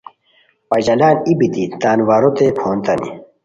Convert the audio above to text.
پژالان ای بیتی تان واروت پھونتانی